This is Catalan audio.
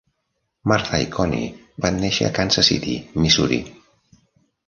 Martha i Connie van néixer a Kansas City, Missouri.